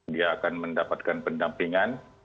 dia akan mendapatkan pendampingan